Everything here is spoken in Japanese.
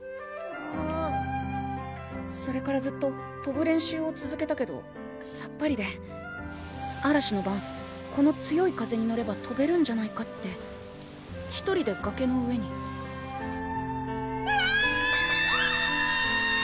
うぅそれからずっととぶ練習をつづけたけどさっぱりで嵐の晩この強い風に乗ればとべるんじゃないかって１人で崖の上にわぁ！